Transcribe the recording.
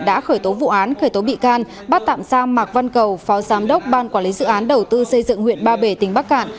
đã khởi tố vụ án khởi tố bị can bắt tạm giam mạc văn cầu phó giám đốc ban quản lý dự án đầu tư xây dựng huyện ba bể tỉnh bắc cạn